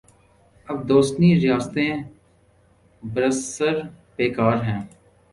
اب دوسنی ریاستیں برسر پیکار ہیں۔